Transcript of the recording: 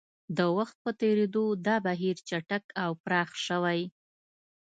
د وخت په تېرېدو دا بهیر چټک او پراخ شوی